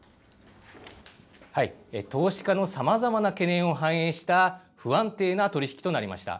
投資家のさまざまな懸念を反映した不安定な取り引きとなりました。